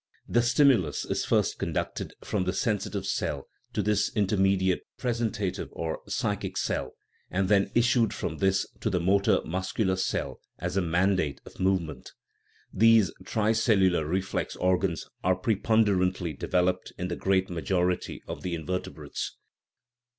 The stimulus is first conducted from the sensitive cell to this intermediate presentative or psychic cell, and then issued from this to the motor muscular cell as a mandate of movement. These tri cellular reflex organs are preponderantly developed in the great majority of the invertebrates.